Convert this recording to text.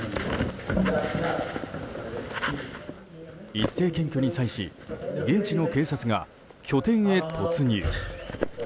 一斉検挙に際し、現地の警察が拠点へ突入。